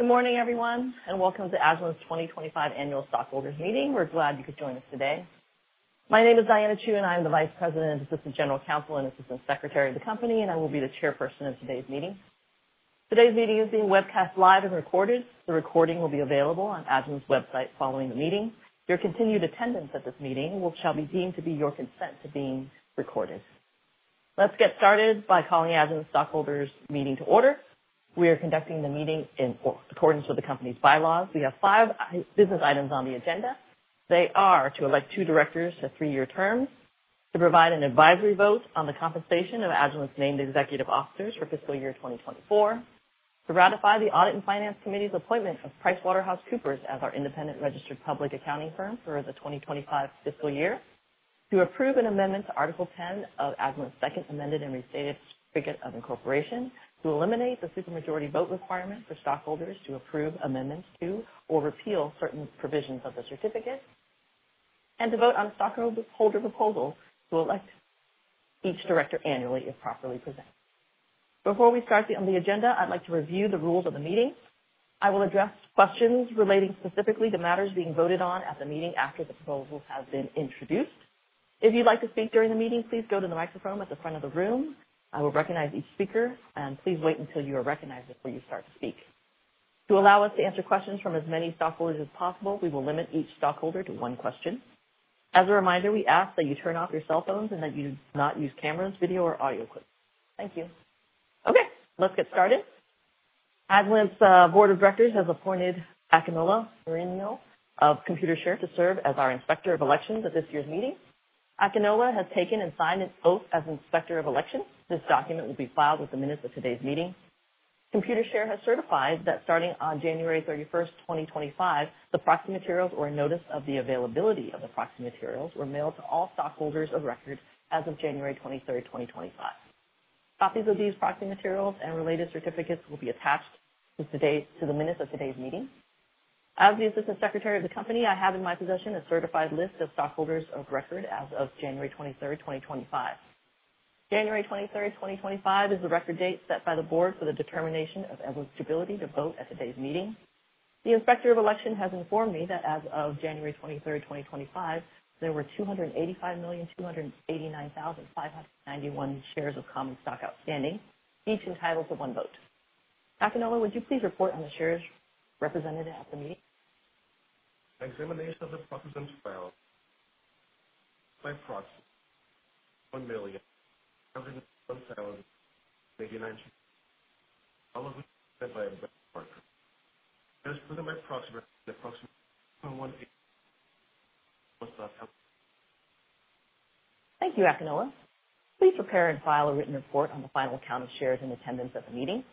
Good morning, everyone, and welcome to Agilent Technologies' 2025 annual stockholders' meeting. We're glad you could join us today. My name is Diana Chu, and I'm the Vice President, Assistant General Counsel, and Assistant Secretary of the company, and I will be the chairperson of today's meeting. Today's meeting is being webcast live and recorded. The recording will be available on Agilent Technologies' website following the meeting. Your continued attendance at this meeting shall be deemed to be your consent to being recorded. Let's get started by calling Agilent Technologies' stockholders' meeting to order. We are conducting the meeting in accordance with the company's bylaws. We have five business items on the agenda. They are to elect two directors to three-year terms, to provide an advisory vote on the compensation of Agilent Technologies' named executive officers for fiscal year 2024, to ratify the Audit and Finance Committee's appointment of PricewaterhouseCoopers as our independent registered public accounting firm for the 2025 fiscal year, to approve an amendment to Article 10 of Agilent Technologies' second amended and restated certificate of incorporation to eliminate the supermajority vote requirement for stockholders to approve amendments to or repeal certain provisions of the certificate, and to vote on a stockholder proposal to elect each director annually if properly presented. Before we start on the agenda, I'd like to review the rules of the meeting. I will address questions relating specifically to matters being voted on at the meeting after the proposal has been introduced. If you'd like to speak during the meeting, please go to the microphone at the front of the room. I will recognize each speaker, and please wait until you are recognized before you start to speak. To allow us to answer questions from as many stockholders as possible, we will limit each stockholder to one question. As a reminder, we ask that you turn off your cell phones and that you do not use cameras, video, or audio clips. Thank you. Okay, let's get started. Agilent Technologies' board of directors has appointed Akinola Marineo of Computershare to serve as our inspector of elections at this year's meeting. Akinola has taken and signed an oath as inspector of elections. This document will be filed with the minutes of today's meeting. ComputerShare has certified that starting on January 31, 2025, the proxy materials or notice of the availability of the proxy materials were mailed to all stockholders of record as of January 23, 2025. Copies of these proxy materials and related certificates will be attached to the minutes of today's meeting. As the Assistant Secretary of the company, I have in my possession a certified list of stockholders of record as of January 23, 2025. January 23, 2025 is the record date set by the board for the determination of eligibility to vote at today's meeting. The inspector of election has informed me that as of January 23, 2025, there were 285,289,591 shares of common stock outstanding, each entitled to one vote. Akinola, would you please report on the shares represented at the meeting? Examination of the proxy firms file. By proxy, $1,789,000. All of which were sent by a benchmarker. I dispose of my proxy records in approximately 21 pages. Thank you, Akinola. Please prepare and file a written report on the final count of shares in attendance at the meeting.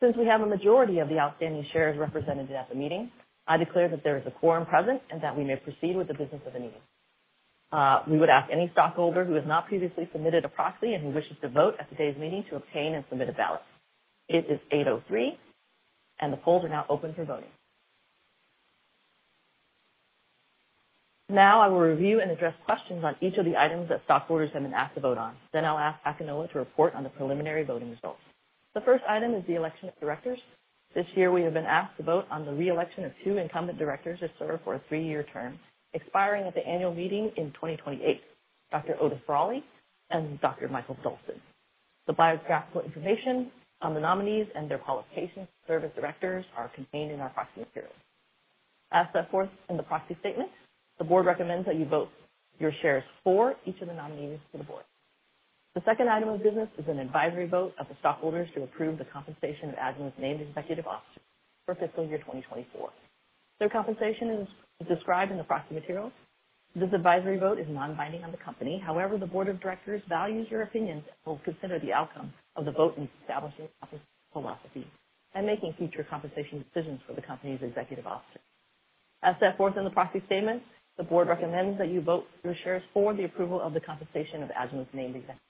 Since we have a majority of the outstanding shares represented at the meeting, I declare that there is a quorum present and that we may proceed with the business of the meeting. We would ask any stockholder who has not previously submitted a proxy and who wishes to vote at today's meeting to obtain and submit a ballot. It is 8:03 A.M. and the polls are now open for voting. Now I will review and address questions on each of the items that stockholders have been asked to vote on. I'll ask Akinola to report on the preliminary voting results. The first item is the election of directors. This year we have been asked to vote on the reelection of two incumbent directors to serve for a three-year term expiring at the annual meeting in 2028, Dr. Oda Fraley and Dr. Michael Dolson. The biographical information on the nominees and their qualifications to serve as directors are contained in our proxy materials. As set forth in the proxy statement, the board recommends that you vote your shares for each of the nominees for the board. The second item of business is an advisory vote of the stockholders to approve the compensation of Agilent's named executive officers for fiscal year 2024. Their compensation is described in the proxy materials. This advisory vote is non-binding on the company. However, the board of directors values your opinions and will consider the outcome of the vote in establishing the company's philosophy and making future compensation decisions for the company's executive officers. As set forth in the proxy statement, the board recommends that you vote your shares for the approval of the compensation of Agilent's named executives.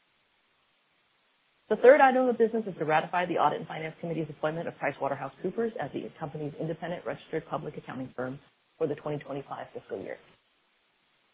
The third item of business is to ratify the audit and finance committee's appointment of PricewaterhouseCoopers as the company's independent registered public accounting firm for the 2025 fiscal year.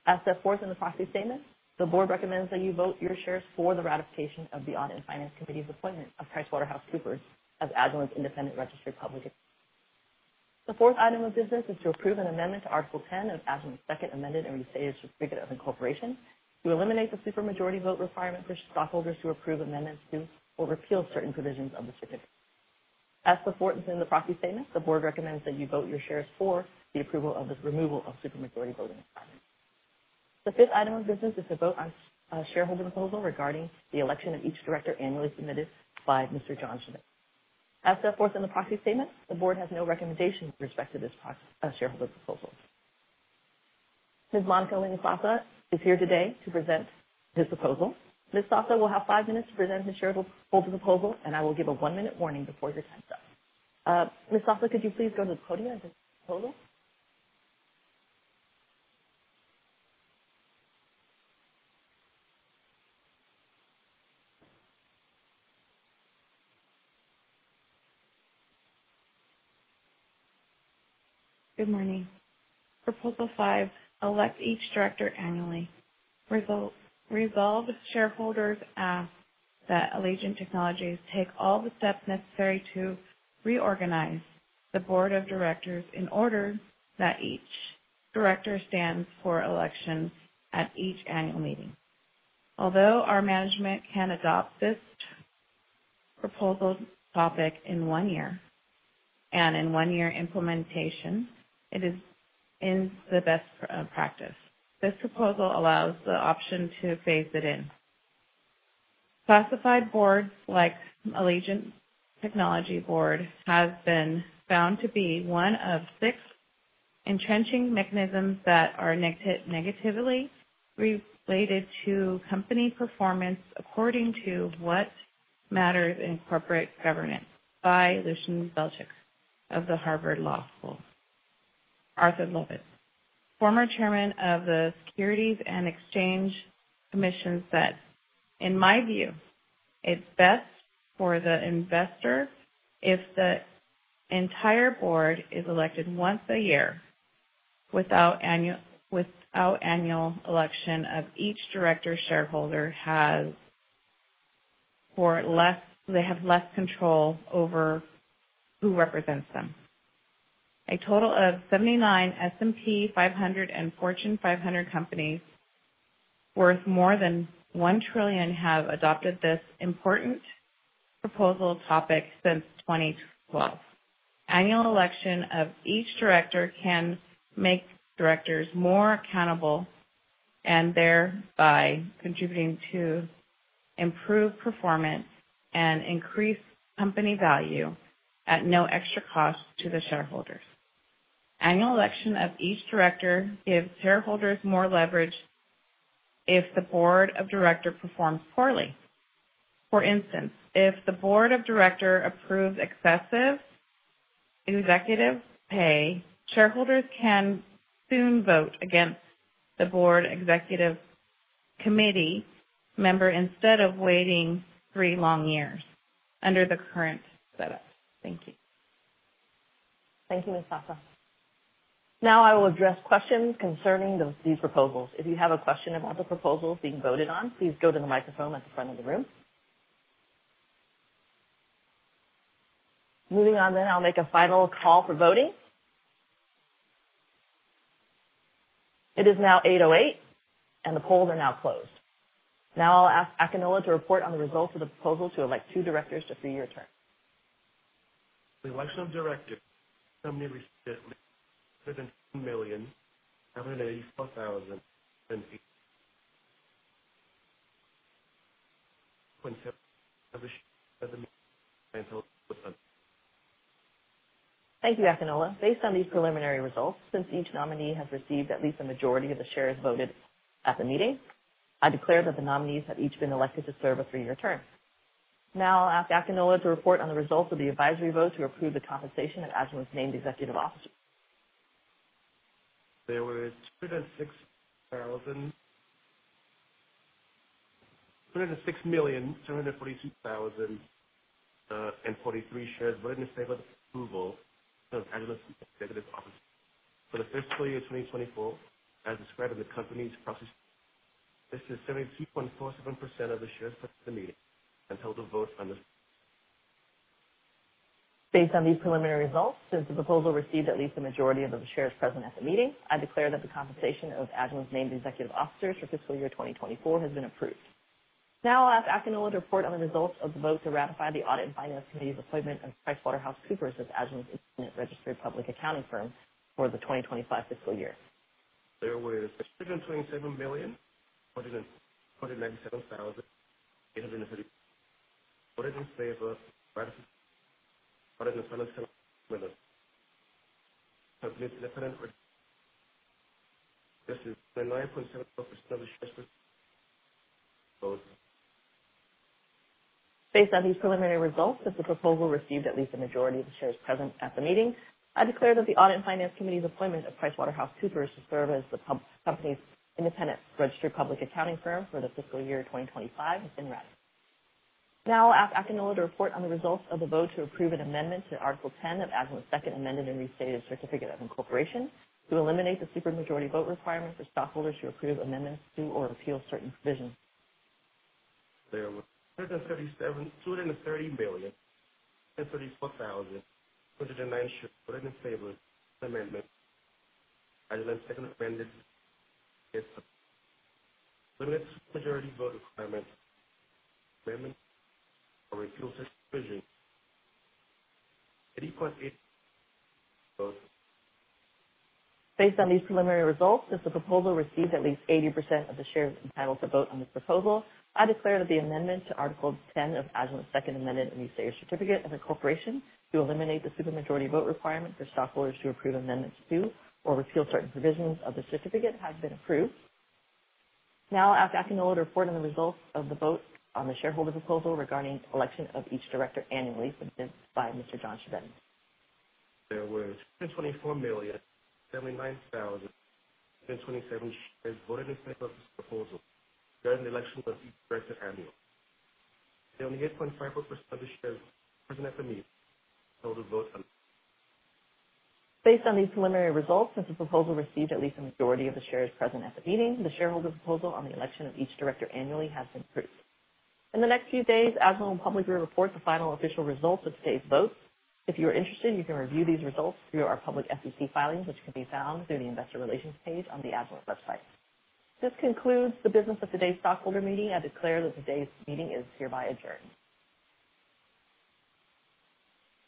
As set forth in the proxy statement, the board recommends that you vote your shares for the ratification of the audit and finance committee's appointment of PricewaterhouseCoopers as Agilent's independent registered public accounting firm. The fourth item of business is to approve an amendment to Article 10 of Agilent Technologies' second amended and restated certificate of incorporation to eliminate the supermajority vote requirement for stockholders to approve amendments to or repeal certain provisions of the certificate. As the fourth is in the proxy statement, the board recommends that you vote your shares for the approval of this removal of supermajority voting requirement. The fifth item of business is to vote on a shareholder proposal regarding the election of each director annually submitted by Mr. John Schmidt. As set forth in the proxy statement, the board has no recommendation with respect to this shareholder proposal. Ms. Monica Lina Sasa is here today to present this proposal. Ms. Sasa will have five minutes to present the shareholder proposal, and I will give a one-minute warning before your time starts. Ms. Sasa, could you please go to the podium and present the proposal? Good morning. Proposal five, elect each director annually. Resolved, shareholders ask that Agilent Technologies take all the steps necessary to reorganize the board of directors in order that each director stands for election at each annual meeting. Although our management can adopt this proposal topic in one year and in one year implementation, it is in the best practice. This proposal allows the option to phase it in. Classified boards like Agilent Technologies' board have been found to be one of six entrenching mechanisms that are negatively related to company performance according to What Matters in Corporate Governance by Lucian Bebchuk of the Harvard Law School. Arthur Levitt, former Chairman of the Securities and Exchange Commission, said, "In my view, it's best for the investor if the entire board is elected once a year. Without annual election of each director, shareholders have less control over who represents them." A total of 79 S&P 500 and Fortune 500 companies worth more than $1 trillion have adopted this important proposal topic since 2012. Annual election of each director can make directors more accountable and thereby contribute to improved performance and increase company value at no extra cost to the shareholders. Annual election of each director gives shareholders more leverage if the board of directors performs poorly. For instance, if the board of directors approves excessive executive pay, shareholders can soon vote against the board executive committee member instead of waiting three long years under the current setup. Thank you. Thank you, Ms. Sasa. Now I will address questions concerning these proposals. If you have a question about the proposals being voted on, please go to the microphone at the front of the room. Moving on, I'll make a final call for voting. It is now 8:08 A.M. and the polls are now closed. Now I'll ask Akinola Marineo to report on the results of the proposal to elect two directors to three-year terms. Election of directors from the recently presented nominations: 78,280,270. Thank you, Akinola. Based on these preliminary results, since each nominee has received at least a majority of the shares voted at the meeting, I declare that the nominees have each been elected to serve a three-year term. Now I'll ask Akinola to report on the results of the advisory vote to approve the compensation of Agilent's named executive officers. There were 206,742,043 shares voted in favor of the approval of Agilent's executive officers for the fiscal year 2024, as described in the company's proxy statement. This is 72.47% of the shares present at the meeting and held to vote on this. Based on these preliminary results, since the proposal received at least a majority of the shares present at the meeting, I declare that the compensation of Agilent's named executive officers for fiscal year 2024 has been approved. Now I'll ask Akinola to report on the results of the vote to ratify the Audit and Finance Committee's appointment of PricewaterhouseCoopers as Agilent's independent registered public accounting firm for the 2025 fiscal year. There were 627,497,834. Voted in favor: 57.7 million. Completely independent: This is 29.74% of the shares present. Based on these preliminary results, since the proposal received at least a majority of the shares present at the meeting, I declare that the Audit and Finance Committee's appointment of PricewaterhouseCoopers to serve as the company's independent registered public accounting firm for the fiscal year 2025 has been ratified. Now I'll ask Akinola to report on the results of the vote to approve an amendment to Article 10 of Agilent Technologies' second amended and restated certificate of incorporation to eliminate the supermajority vote requirement for stockholders to approve amendments to or repeal certain provisions. There were 237,230,000, 234,290. Voted in favor: amendment. Agilent's second amended is the limited majority vote requirement amendment or repeal certain provisions. 80 plus eight votes. Based on these preliminary results, since the proposal received at least 80% of the shares entitled to vote on this proposal, I declare that the amendment to Article 10 of Agilent's second amended and restated certificate of incorporation to eliminate the supermajority vote requirement for stockholders to approve amendments to or repeal certain provisions of the certificate has been approved. Now I'll ask Akinola Marineo to report on the results of the vote on the shareholder proposal regarding the election of each director annually submitted by Mr. John Schmidt. There were 224,079,227 shares voted in favor of this proposal during the election of each director annually. There were only 8.54% of the shares present at the meeting held to vote on this. Based on these preliminary results, since the proposal received at least a majority of the shares present at the meeting, the shareholder proposal on the election of each director annually has been approved. In the next few days, Agilent Technologies will publicly report the final official results of today's vote. If you are interested, you can review these results through our public SEC filings, which can be found through the investor relations page on the Agilent Technologies website. This concludes the business of today's stockholder meeting. I declare that today's meeting is hereby adjourned.